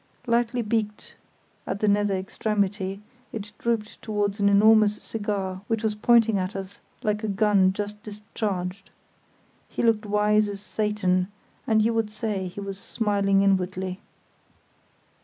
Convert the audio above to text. Lightly beaked at the nether extremity, it drooped towards an enormous cigar which was pointing at us like a gun just discharged. He looked wise as Satan, and you would say he was smiling inwardly.